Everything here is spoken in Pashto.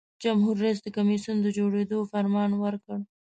جمهور رئیس د کمیسیون د جوړیدو فرمان ورکړ.